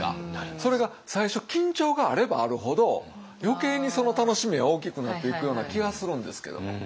それが最初緊張があればあるほど余計にその楽しみが大きくなっていくような気がするんですけども。